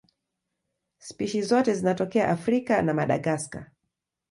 Spishi zote zinatokea Afrika na Madagaska.